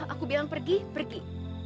aku bilang pergi pergi